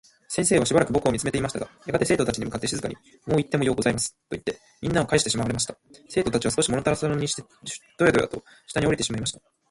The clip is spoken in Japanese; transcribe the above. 先生は暫く僕を見つめていましたが、やがて生徒達に向って静かに「もういってもようございます。」といって、みんなをかえしてしまわれました。生徒達は少し物足らなそうにどやどやと下に降りていってしまいました。